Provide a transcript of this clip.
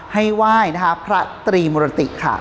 ให้ว่ายพระตรีมุนติค่ะ